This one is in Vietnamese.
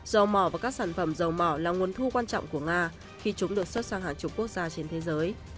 dầu mỏ và các sản phẩm dầu mỏ là nguồn thu quan trọng của nga khi chúng được xuất sang hàng chục quốc gia trên thế giới